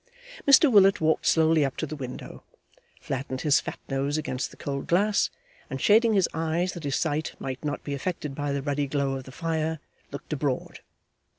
Mr Willet walked slowly up to the window, flattened his fat nose against the cold glass, and shading his eyes that his sight might not be affected by the ruddy glow of the fire, looked abroad.